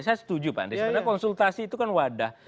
saya setuju pak andri sebenarnya konsultasi itu kan wadah